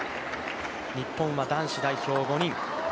日本は男子代表５人。